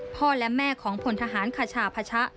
พ่อและแม่ของพลทหารคชาพชะ